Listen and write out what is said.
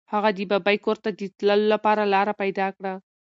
هغه د ببۍ کور ته د تللو لپاره لاره پیدا کړه.